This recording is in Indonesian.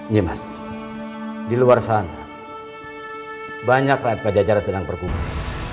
nimas di luar sana banyak rakyat pajajara sedang berkubur